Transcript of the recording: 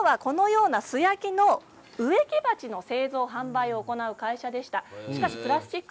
実はここもともとはこのような素焼きの植木鉢の製造販売を行う会社でした。